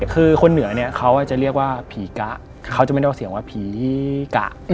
คือคนเหนือเนี่ยเขาจะเรียกว่าผีกะเขาจะไม่ได้เอาเสียงว่าผีกะ